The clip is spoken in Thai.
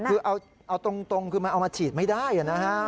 คือเอาตรงคือมันเอามาฉีดไม่ได้นะฮะ